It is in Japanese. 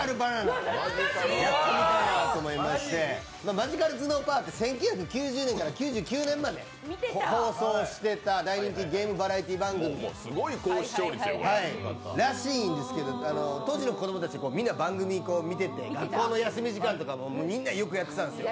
「マジカル頭脳パワー！！」って１９９０年から１９９９年まで放送していた大人気ゲームバラエティー番組らしいんですけど、当時の子供たち、みんな番組見てて学校の休み時間とかにみんなよくやってたんですよ。